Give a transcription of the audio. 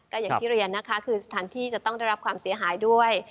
ก็อย่างที่เรียนนะคะคือสถานที่จะต้องได้รับความเสียหายด้วย